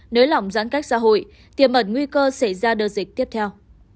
nới lỏng giãn cách xã hội tiềm mẩn nguy cơ xảy ra đợt dịch tiếp theo